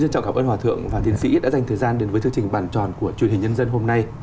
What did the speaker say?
xin chào cảm ơn hòa thượng và tiến sĩ đã dành thời gian đến với chương trình bàn tròn của truyền hình nhân dân hôm nay